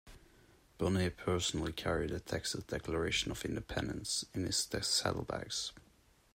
Burnet personally carried the Texas Declaration of Independence in his saddlebags.